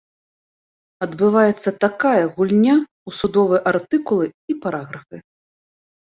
Адбываецца такая гульня ў судовыя артыкулы і параграфы.